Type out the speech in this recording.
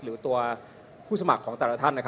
หรือตัวผู้สมัครของแต่ละท่าน